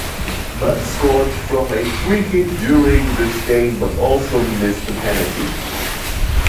Butt scored from a freekick during this game but also missed a penalty.